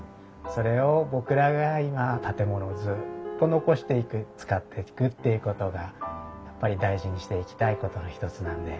それを僕らが今建物をずっと残していく使っていくっていうことがやっぱり大事にしていきたいことの一つなんで。